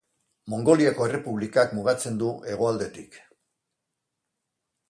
Mongoliako errepublikak mugatzen du hegoaldetik.